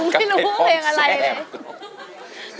กับเพลงของแชม